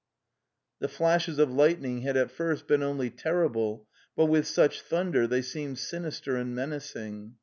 The flashes of lightning had at first been only ter rible, but with such thunder they seemed sinister and menacing.